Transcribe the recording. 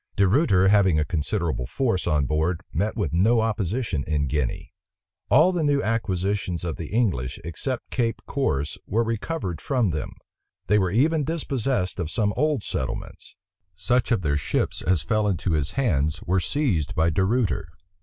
De Ruyter, having a considerable force on board, met with no opposition in Guinea. All the new acquisitions of the English, except Cape Corse were recovered from them. They were even dispossessed of some old settlements. Such of their ships as fell into his hands were seized by De Ruyter.